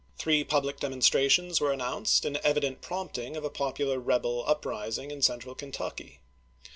Three public demonstrations were announced in evident prompting of a popular rebel uprising in central Kentucky.